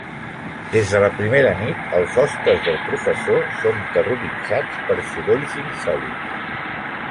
Des de la primera nit, els hostes del professor són terroritzats per sorolls insòlits.